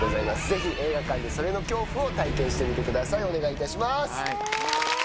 ぜひ映画館でそれの恐怖を体験してみてください、お願いいたします。